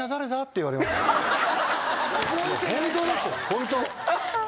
ホント。